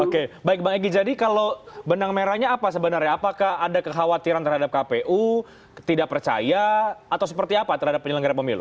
oke baik bang egy jadi kalau benang merahnya apa sebenarnya apakah ada kekhawatiran terhadap kpu tidak percaya atau seperti apa terhadap penyelenggara pemilu